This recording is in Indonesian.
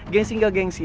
gengsi gak gengsi